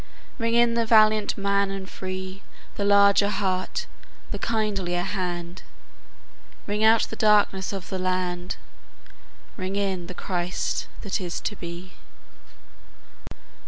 Ring in the valiant man and free, The larger heart, the kindlier hand; Ring out the darkenss of the land, Ring in the Christ that is to be.